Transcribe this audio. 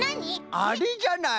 あれじゃない。